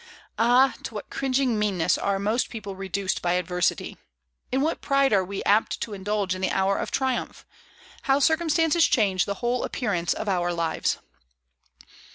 Ah, to what cringing meanness are most people reduced by adversity! In what pride are we apt to indulge in the hour of triumph! How circumstances change the whole appearance of our lives!